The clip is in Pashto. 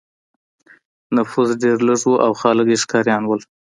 نفوس ډېر لږ و او خلک یې ښکاریان وو.